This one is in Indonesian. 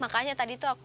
makanya tadi tuh aku